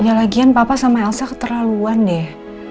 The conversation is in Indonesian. hanya lagian papa sama elsa keterlaluan deh